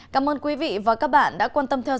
cảm ơn quý vị và các bạn đã quan tâm theo dõi